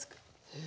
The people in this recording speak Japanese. へえ。